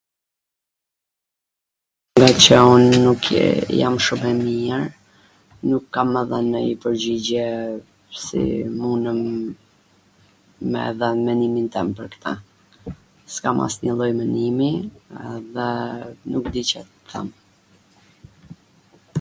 ngaqw un nuk jam shum e mir, nuk kam edhe nonjw pwrgjigje si munem me e dhwn menimin tem pwr ta ... s kam asnjw lloj menimi dhe nuk di Ca t them